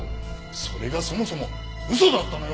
それがそもそも嘘だったのよ！